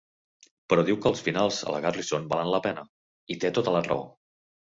Però diu que els finals a la Garrison valen la pena, i té tota la raó.